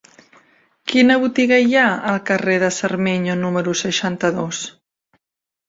Quina botiga hi ha al carrer de Cermeño número seixanta-dos?